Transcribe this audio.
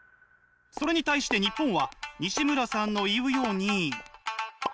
それに対して日本はにしむらさんの言うように。